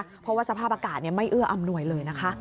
เพราะว่าสภาพอากาศไม่เอื้ออำนวยเลยนะคะ